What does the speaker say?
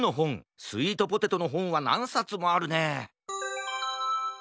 スイートポテトのほんはなんさつもあるね